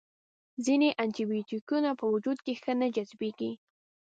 ځینې انټي بیوټیکونه په وجود کې ښه نه جذبیږي.